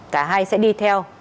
cả hai sẽ đi theo